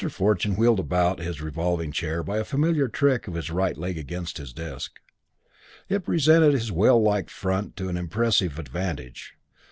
Fortune wheeled about his revolving chair by a familiar trick of his right leg against his desk. It presented his whale like front to impressive advantage.